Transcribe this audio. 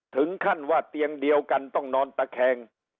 ถึงขั้นว่าเตียงเดียวกันต้องนอนตะแคง